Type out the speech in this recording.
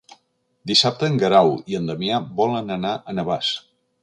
Dissabte en Guerau i en Damià volen anar a Navàs.